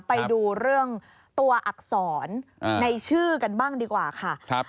ไปดูเรื่องตัวอักษรในชื่อกันบ้างดีกว่าค่ะ